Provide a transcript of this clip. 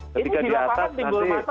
ketika di atas nanti